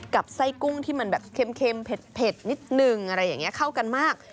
กับไส้กุ้งที่มันแบบเค็มเผ็ดนิดนึงอะไรอย่างนี้เข้ากันมาก